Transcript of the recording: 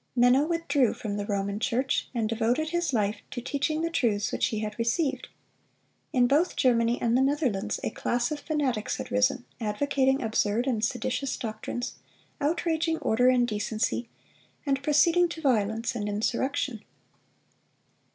Menno withdrew from the Roman Church, and devoted his life to teaching the truths which he had received. In both Germany and the Netherlands a class of fanatics had risen, advocating absurd and seditious doctrines, outraging order and decency, and proceeding to violence and insurrection.